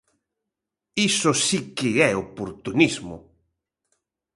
¡Iso si que é oportunismo!